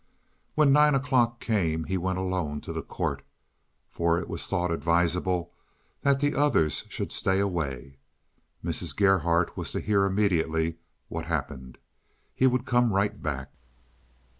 When nine o'clock came, he went alone to the court, for it was thought advisable that the others should stay away. Mrs. Gerhardt was to hear immediately what happened. He would come right back.